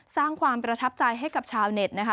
สร้างความประทับใจให้กับชาวเน็ตนะคะ